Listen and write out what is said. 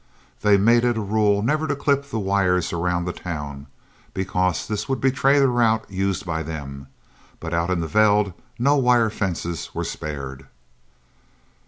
They made it a rule never to clip the wires around the town, because this would betray the route used by them, but out in the veld no wire fences were spared.